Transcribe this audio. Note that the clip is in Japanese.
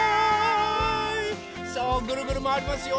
さあぐるぐるまわりますよ。